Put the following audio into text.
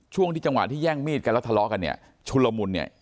ช่วงที่จังหวะที่แย่งมีดกันแล้วทะเลาะกันเนี่ยชุลมุนเนี่ย